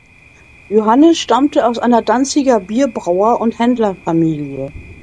Johannes stammte aus einer Danziger Bierbrauer- und Händlerfamilie.